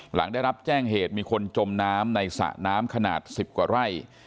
หลังได้รับแจ้งเหตุมีคนจมน้ำในสระน้ำขนาด๑๐กว่าไร่